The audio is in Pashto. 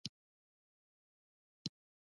کیمیا د مادې د جوړښت او بدلونونو علم دی.